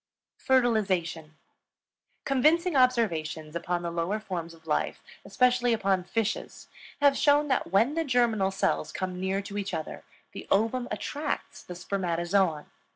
FERTILIZATION. Convincing observations upon the lower forms of life, especially upon fishes, have shown that when the germinal cells come near to each other, the ovum attracts the spermatozoon.